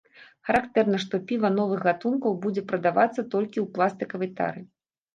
Характэрна, што піва новых гатункаў будзе прадавацца толькі ў пластыкавай тары.